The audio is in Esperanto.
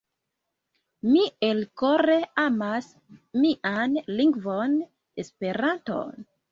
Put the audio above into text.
Mi elkore amas nian lingvon Esperanton.